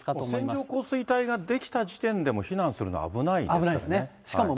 線状降水帯が出来た時点で避難するのは危ないですからね。